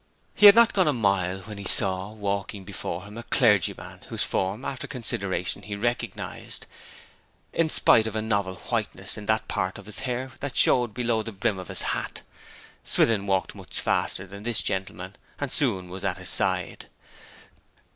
He had not gone a mile when he saw walking before him a clergyman whose form, after consideration, he recognized, in spite of a novel whiteness in that part of his hair that showed below the brim of his hat. Swithin walked much faster than this gentleman, and soon was at his side.